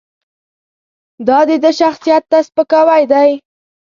دا د ده شخصیت ته سپکاوی دی.